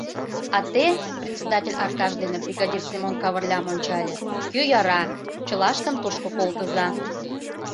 А те, — председатель Аркаш дене бригадир Семон Кавырлям ончале, — кӧ яра, чылаштым тушко колтыза.